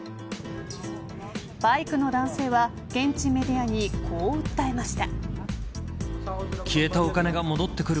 バイクの男性は現地メディアにこう訴えました。